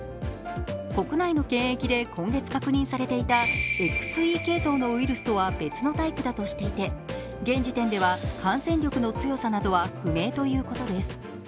国内の検疫で今月確認されていたＸＥ系統のウイルスとは別のタイプだとしていて、現時点では感染力の強さなどは不明だということです。